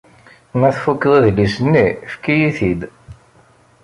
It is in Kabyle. Ma tfukeḍ adlis-nni, efk-iyi-t-id.